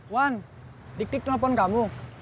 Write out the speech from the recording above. wan diklik telepon kamu